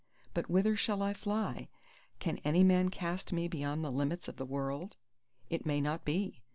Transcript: But whither shall I fly? Can any man cast me beyond the limits of the World? It may not be!